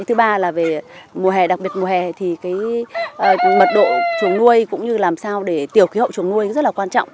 thứ ba là về mùa hè đặc biệt mùa hè thì mật độ chuồng nuôi cũng như làm sao để tiểu khí hậu chuồng nuôi rất là quan trọng